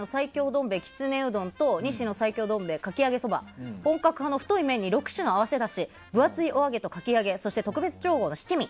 どん兵衛きつねうどんと日清の最強どん兵衛かき揚げそば本格派の太い麺に６種の合わせだし分厚いおあげとかき揚げ特別調合の七味。